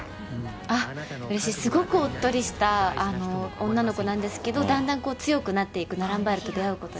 あっ、うれしい、すごくおっとりした女の子なんですけど、だんだん強くなっていく、ナランバヤルと出会うことで。